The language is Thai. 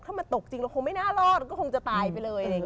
ถ้ามันตกจริงเราคงไม่น่ารอดก็คงจะตายไปเลย